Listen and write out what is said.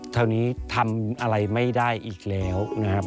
แถวนี้ทำอะไรไม่ได้อีกแล้วนะครับ